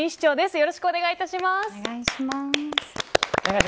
よろしくお願いします。